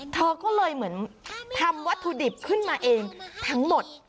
เธอก็เลยเหมือนทำวัตถุดิบขึ้นมาเองทั้งหมด